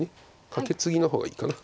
カケツギの方がいいかな。